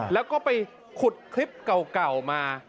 แล้วก็ไปขุดคลิปเก่ามา